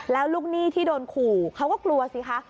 แล้วลูกหนี้ที่โดนขู่เขาก็กลัวสิคะ